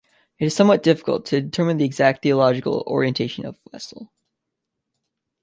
It is somewhat difficult to determine the exact theological orientation of Wesel.